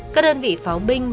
các đơn vị pháo binh